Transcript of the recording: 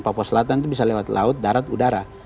papua selatan itu bisa lewat laut darat udara